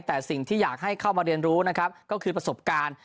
แต่สิ่งที่อยากให้เข้ามาเรียนรู้นะครับก็คือประสบการณ์